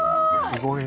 すごーい！